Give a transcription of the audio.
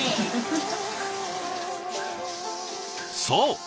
そう！